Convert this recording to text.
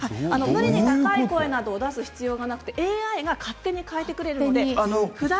無理に高い声を出す必要はなくてＡＩが勝手に変えてくれるんです。